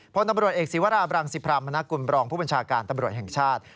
พลตำรวจเอกศิวราบรังสิพรามณกุลบรองผู้บัญชาการตำรวจแห่งชาติ